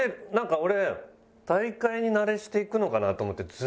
なんか俺大会慣れしていくのかなと思って。